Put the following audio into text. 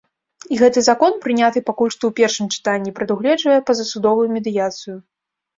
І гэты закон, прыняты пакуль што ў першым чытанні, прадугледжвае пазасудовую медыяцыю.